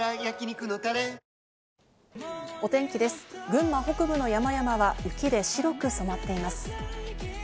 群馬北部の山々は雪で白く染まっています。